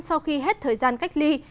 sau khi hết thời gian cách ly y tế